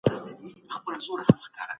ټاکني د واک د سوله ایز لیږد وسیله ده.